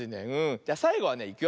じゃさいごはねいくよ。